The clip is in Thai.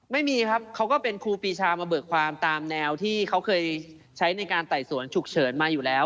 ไม่มีครับเขาก็เป็นครูปีชามาเบิกความตามแนวที่เขาเคยใช้ในการไต่สวนฉุกเฉินมาอยู่แล้ว